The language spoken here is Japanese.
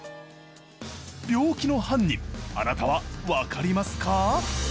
病気の犯人あなたはわかりますか？